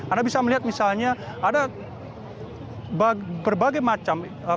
anda bisa melihat misalnya ada berbagai macam